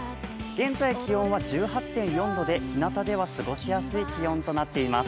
現在気温は１８．４度でひなたでは過ごしやすい気温となっています。